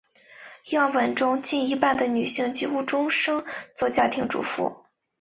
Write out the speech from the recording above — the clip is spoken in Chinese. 样本中近一半的女性几乎终生做家庭主妇。